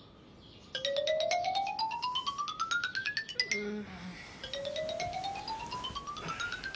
うん。